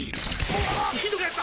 うわひどくなった！